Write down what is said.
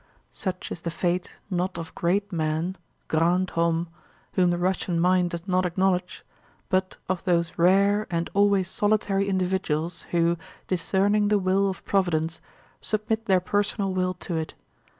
Such is the fate not of great men (grands hommes) whom the Russian mind does not acknowledge, but of those rare and always solitary individuals who, discerning the will of Providence, submit their personal will to it.